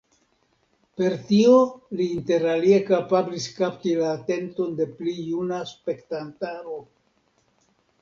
Per tio li interalie kapablis kapti la atenton de pli juna spektantaro.